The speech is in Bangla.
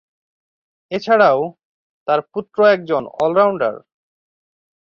এছাড়াও, তার পুত্র একজন অল-রাউন্ডার।